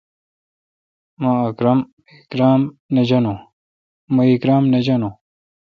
مہ اکرم نہ جانوُن۔